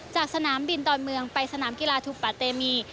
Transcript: สนามบินดอนเมืองไปสนามกีฬาทูปะเตมี